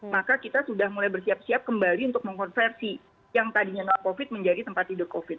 maka kita sudah mulai bersiap siap kembali untuk mengkonversi yang tadinya non covid menjadi tempat tidur covid